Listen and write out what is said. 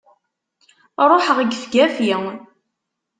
Ruḥeɣ gefgafi!